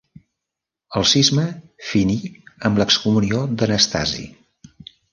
El cisma finí amb l'excomunió d'Anastasi.